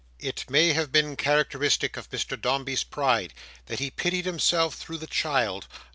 It may have been characteristic of Mr Dombey's pride, that he pitied himself through the child.